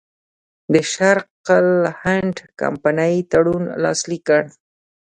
د شرق الهند کمپنۍ تړون لاسلیک کړ.